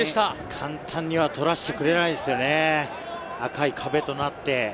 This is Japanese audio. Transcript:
簡単には取らせてくれないですよね、赤い壁となって。